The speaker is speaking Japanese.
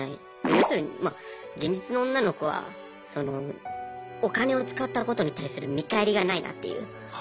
要するに現実の女の子はお金を使ったことに対する見返りがないなっていう。